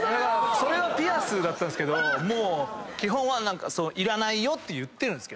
それはピアスだったんすけど基本はいらないよって言ってるんです。